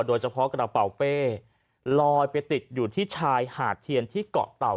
โดยเฉพาะกระเป๋าเป้ลอยไปติดอยู่ที่ชายหาดเทียนที่เกาะเต่า